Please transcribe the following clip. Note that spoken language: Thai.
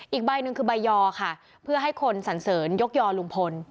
อีกใบหนึ่งคือใบยอค่ะเพื่อให้คนสันเสริญยกยอลุงพล